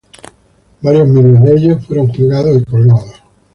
Varios miles de ellos fueron juzgados y colgados.